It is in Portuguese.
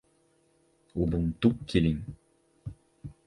Ubuntu Kylin